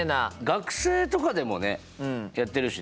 学生とかでもねやってるしね。